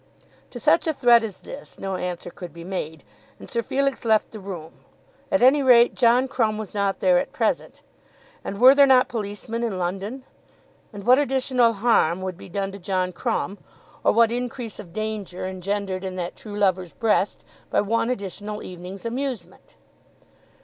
To such a threat as this, no answer could be made, and Sir Felix left the room. At any rate, John Crumb was not there at present. And were there not policemen in London? And what additional harm would be done to John Crumb, or what increase of anger engendered in that true lover's breast, by one additional evening's amusement?